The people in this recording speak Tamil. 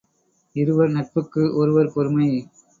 இருவர் நட்புக்கு ஒருவர் பொறுமை.